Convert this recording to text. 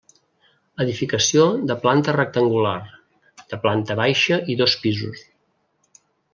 Edificació de planta rectangular, de planta baixa i dos pisos.